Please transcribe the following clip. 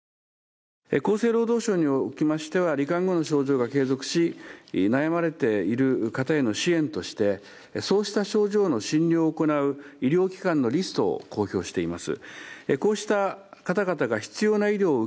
厚生労働省におきましてはり患語の症状が継続し、悩まれている方への支援として、そうした症状の診療を行う医療機関のリストを公表しています